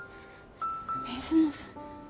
水野さん。